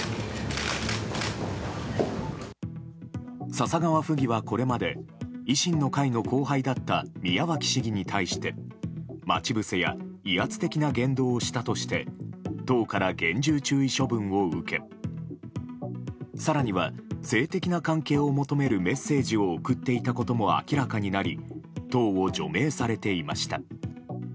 笹川府議は、これまで維新の会の後輩だった宮脇市議に対して、待ち伏せや威圧的な言動をしたとして党から厳重注意処分を受け更には、性的な関係を求めるメッセージを送っていたことも明らかになり党を除名されていました。